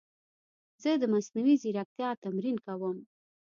زه د مصنوعي ځیرکتیا تمرین کوم.